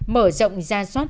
mở rộng ra soát